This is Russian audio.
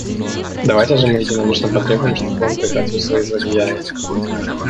Давайте же мы единодушно потребуем, чтобы он прекратил свои злодеяния.